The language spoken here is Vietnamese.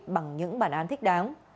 bằng những bản án thích đáng